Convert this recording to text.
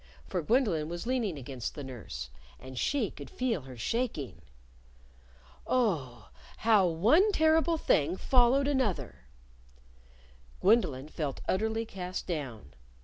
For Gwendolyn was leaning against the nurse. And she could feel her shaking! Oh, how one terrible thing followed another! Gwendolyn felt utterly cast down.